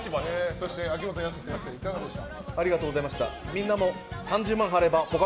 そして秋元康先生いかがでした？